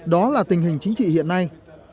đó là tình hình chính trị hiện nay